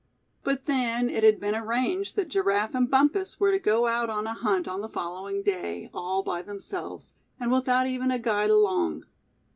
But then, it had been arranged that Giraffe and Bumpus were to go out on a hunt on the following day, all by themselves, and without even a guide along.